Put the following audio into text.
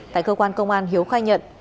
tại cơ quan công an hiếu khai nhận